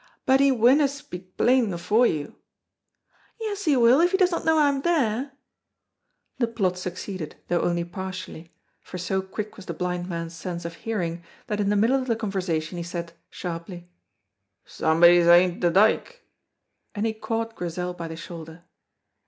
"But he winna speak plain afore you." "Yes, he will, if he does not know I am there." The plot succeeded, though only partially, for so quick was the blind man's sense of hearing that in the middle of the conversation he said, sharply, "Somebody's ahint the dyke!" and he caught Grizel by the shoulder.